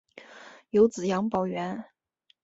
有子杨葆元。